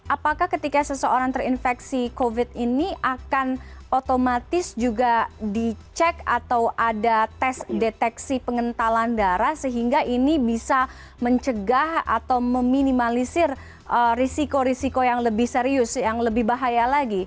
apakah ketika seseorang terinfeksi covid ini akan otomatis juga dicek atau ada tes deteksi pengentalan darah sehingga ini bisa mencegah atau meminimalisir risiko risiko yang lebih serius yang lebih bahaya lagi